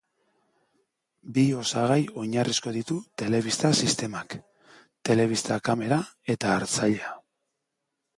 Bi osagai oinarrizko ditu telebista sistemak: telebista kamera eta hartzailea.